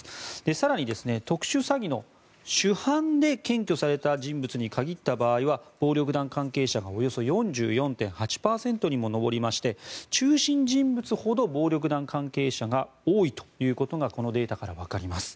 更に、特殊詐欺の主犯で検挙された人物に限って見た場合は暴力団関係者がおよそ４４．８％にも上りまして中心人物ほど暴力団関係者が多いということがこのデータからわかります。